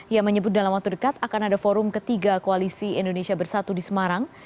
ia menyebut dalam waktu dekat akan ada forum ketiga koalisi indonesia bersatu di semarang